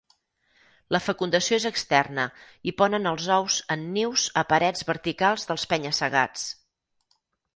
La fecundació és externa i ponen els ous en nius a parets verticals dels penya-segats.